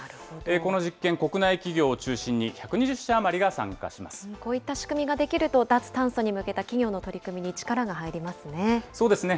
この実験、国内企業を中心に１２こういった仕組みができると、脱炭素に向けた企業の取り組みに力が入りますね。